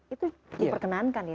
itu diperkenankan ya